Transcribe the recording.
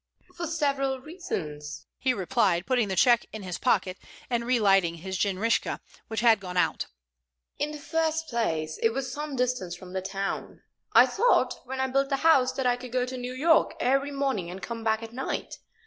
"For several reasons," he replied, putting the check in his pocket, and relighting his jinrikisha, which had gone out. "In the first place, it was some distance from town. I thought, when I built the house, that I could go to New York every morning and come back at night.